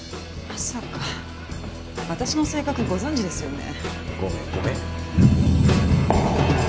まさか私の性格ご存じですよね？